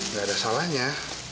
gak ada salahnya